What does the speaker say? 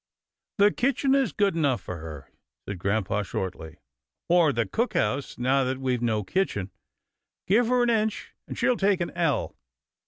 " The kitchen is good enough for her," said grampa, shortly, " or the cook house now that we've no kitchen. Give her an inch, and she'll take an ell.